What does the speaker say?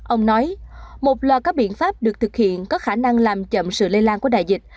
ông nói một loạt các biện pháp được thực hiện có khả năng làm chậm sự lây lan của đại dịch